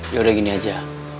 ya udah gini aja